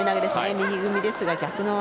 右組みですが逆の技。